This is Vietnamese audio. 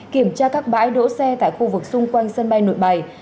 kiểm tra các bãi đỗ xe tại khu vực xung quanh sân bay nội bài